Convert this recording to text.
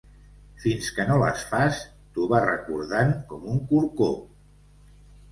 Fins que no les fas, t’ho va recordant com un corcó.